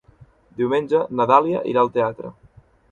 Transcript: Diumenge na Dàlia irà al teatre.